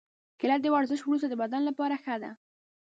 کېله د ورزش وروسته د بدن لپاره ښه ده.